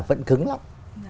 vẫn cứng lắm